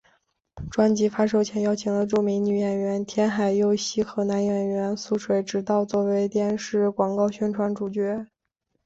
专辑发售前邀请了著名女演员天海佑希和男演员速水直道作为电视广告宣传主角。